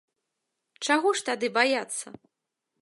Чаго ж тады баяцца?